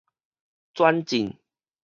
轉進